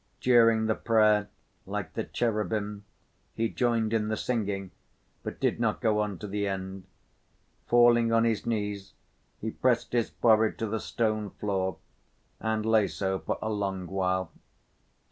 During the prayer, "Like the Cherubim," he joined in the singing but did not go on to the end. Falling on his knees, he pressed his forehead to the stone floor and lay so for a long while.